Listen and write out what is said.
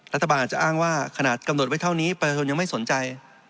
รัฐบาลอาจจะอ้างว่าขนาดกำหนดไว้เท่านี้ประชาชนยังไม่สนใจ